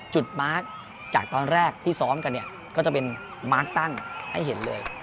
มาร์คจากตอนแรกที่ซ้อมกันเนี่ยก็จะเป็นมาร์คตั้งให้เห็นเลย